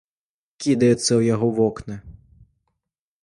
Кідаецца ў яго вокны.